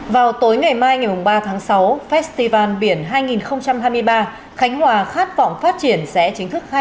vào tối ngày mai ngày ba tháng sáu festival biển hai nghìn hai mươi ba khánh hòa khát vọng phát triển sẽ chính thức khai